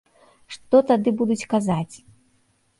Што тады будуць казаць?